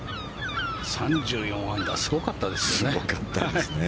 ３４アンダーすごかったですよね。